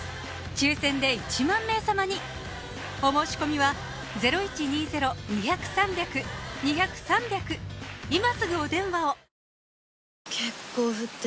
抽選で１万名様にお申し込みは今すぐお電話を！